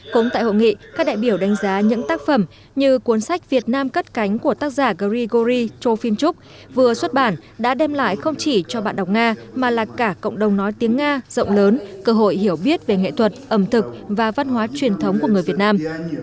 cũng tại hội nghị các đại biểu đánh giá những tác phẩm như cuốn sách việt nam cất cánh của tác giả grigory chofimchuk vừa xuất bản đã đem lại không chỉ cho bạn đọc nga mà là cả cộng đồng nói tiếng nga rộng lớn cơ hội hiểu biết về nghệ thuật ẩm thực và văn hóa truyền thống của người việt nam